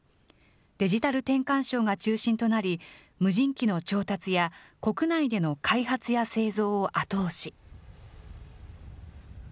デジタル転換省が中心となり、無人機の調達や国内での開発や製造を後押し。